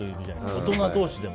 大人同士でも。